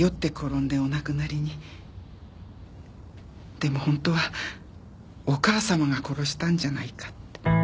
でも本当はお母様が殺したんじゃないかって。